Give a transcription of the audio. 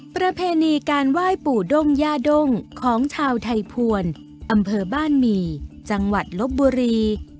ประเพณีการไหว้ปู่ด้งย่าด้งของชาวไทยภวรอำเภอบ้านหมี่จังหวัดลบบุรี